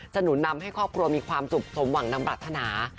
หนุนนำให้ครอบครัวมีความสุขสมหวังนำปรัฐนา